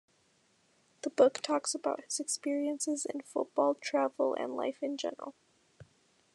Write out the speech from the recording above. The book talks about his experiences in football, travel, and life in general.